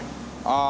ああ。